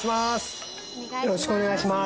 よろしくお願いします